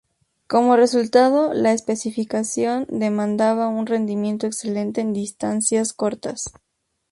Como resultado, la especificación demandaba un rendimiento excelente en distancias cortas.